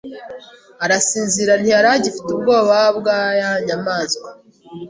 Arasinzira ntiyari agifite ubwoba bwayanyamaswa